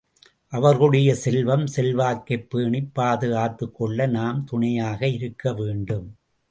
அவர்களுடைய செல்வம், செல்வாக்கைப் பேணிப் பாதுகாத்துக்கொள்ள நாம் துணையாக இருக்க வேண்டும்.